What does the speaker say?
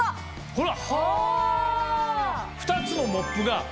ほら。